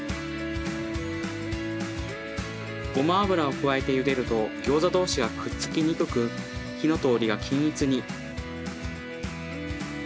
ごま油を加えてゆでるとギョーザ同士がくっつきにくく火の通りが均一に。